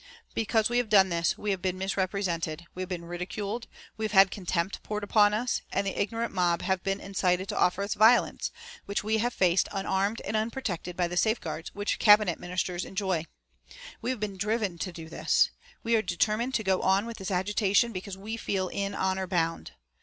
Because we have done this, we have been misrepresented, we have been ridiculed, we have had contempt poured upon us, and the ignorant mob have been incited to offer us violence, which we have faced unarmed and unprotected by the safeguards which Cabinet Ministers enjoy. We have been driven to do this; we are determined to go on with this agitation because we feel in honour bound.